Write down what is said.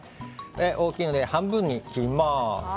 大きいので半分に切ります。